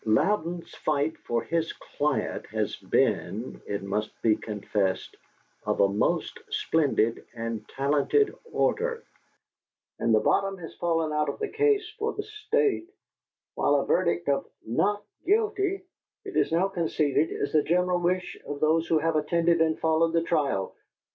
Louden's fight for his client has been, it must be confessed, of a most splendid and talented order, and the bottom has fallen out of the case for the State, while a verdict of Not Guilty, it is now conceded, is the general wish of those who have attended and followed the trial.